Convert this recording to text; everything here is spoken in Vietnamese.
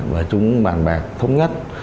và chúng bàn bạc thống nhất